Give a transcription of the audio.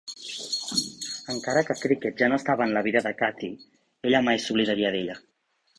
Encara que Cricket ja no estava en la vida de Cathee, ella mai s'oblidaria d'ella.